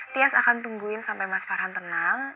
tias akan tungguin sampai mas farhan tenang